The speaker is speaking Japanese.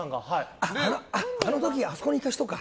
あの時、あそこにいた人か！